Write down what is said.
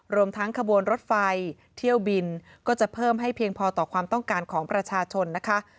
รวมทั้งขบวนรถไฟเที่ยวบินก็จะเพิ่มให้เพียงพอต่อความต้องการของประชาชนนะคะ